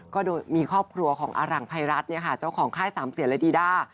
ก็มีครอบครัวของอารังไพรัฐเจ้าของค่ายสามเสียรดีด้า